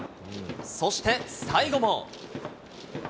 そして最後も。